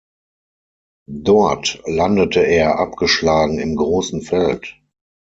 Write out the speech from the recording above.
Dort landete er abgeschlagen im großen Feld.